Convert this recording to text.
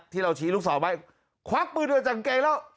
ที่เราชี้ลูกสอบไว้ควักมือด้วยจังเกงแล้ว